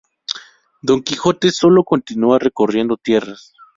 Don Quijote, solo, continúa recorriendo tierras.